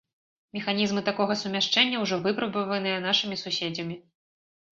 Механізмы такога сумяшчэння ўжо выпрабаваныя нашымі суседзямі.